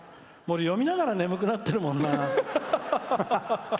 読みながら眠くなってるもんな。